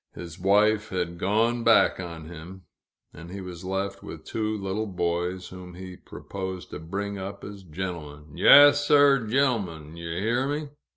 His wife had "gone back on him," and he was left with two little boys, whom he proposed to bring up as gentlemen "yaas, sir r, gen'lem'n, yew hear me!